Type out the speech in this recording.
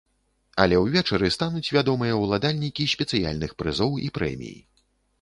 Але ўвечары стануць вядомыя ўладальнікі спецыяльных прызоў і прэмій.